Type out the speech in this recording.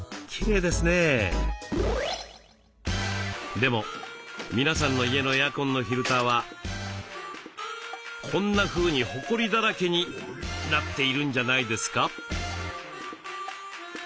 でも皆さんの家のエアコンのフィルターはこんなふうにホコリだらけになっているんじゃないですか？